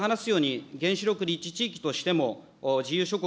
後ほど話すように原子力立地地域としての自由諸国